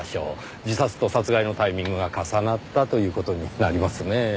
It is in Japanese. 自殺と殺害のタイミングが重なったという事になりますねぇ。